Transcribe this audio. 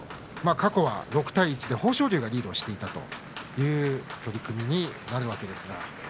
過去は６対１で豊昇龍がリードしていたという取組になるわけですが。